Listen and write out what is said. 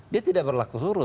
dia tidak berlaku surut